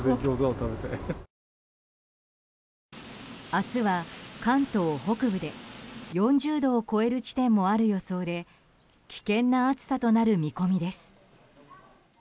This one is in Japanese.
明日は関東北部で４０度を超える地点もある予想で危険な暑さとなる見込みです。